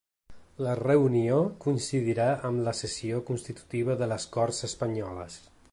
La reunió coincidirà amb la sessió constitutiva de les corts espanyoles.